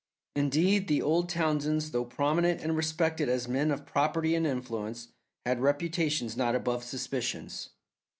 Indeed, the old Townsends, though prominent and respected as men of property and influence, had reputations not above suspicions.